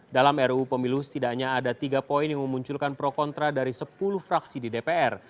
dalam ruu pemilu setidaknya ada tiga poin yang memunculkan pro kontra dari sepuluh fraksi di dpr